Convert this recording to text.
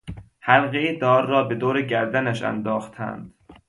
حلقهی دار را به دور گردنش انداختند.